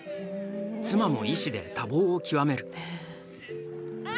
妻も医師で多忙を極める。